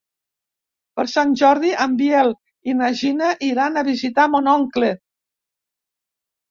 Per Sant Jordi en Biel i na Gina iran a visitar mon oncle.